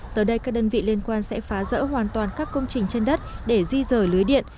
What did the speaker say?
tới đây các đơn vị liên quan sẽ phá rỡ hoàn toàn các công trình trên đất để di rời lưới điện